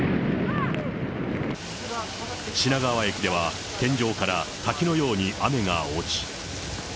品川駅では天井から滝のように雨が落ち。